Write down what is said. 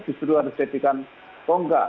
justru harus diketahui kok enggak